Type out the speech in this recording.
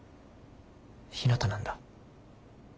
ひなたなんだ。